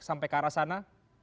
sampai ke arah sana